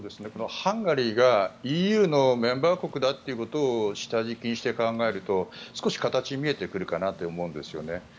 ハンガリーがＥＵのメンバー国だということを下敷きにして考えると少し形が見えてくるかなと思うんですよね。